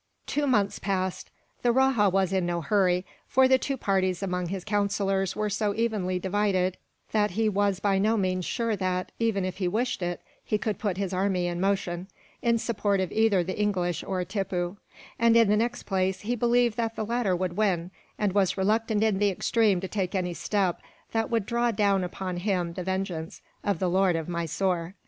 Two months passed. The rajah was in no hurry, for the two parties among his councillors were so evenly divided that he was by no means sure that, even if he wished it, he could put his army in motion, in support of either the English or Tippoo; and in the next place, he believed that the latter would win, and was reluctant in the extreme to take any step that would draw down upon him the vengeance of the Lord of Mysore.